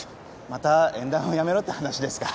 また縁談をやめろって話ですか。